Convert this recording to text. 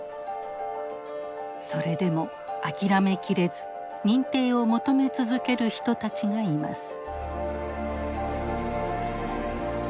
それでも諦めきれず認定を求め続ける人たちがいます。